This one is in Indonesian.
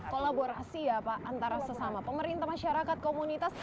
kolaborasi ya pak antara sesama pemerintah masyarakat komunitas